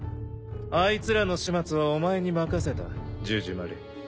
あいつらの始末はお前に任せたジュジュマル。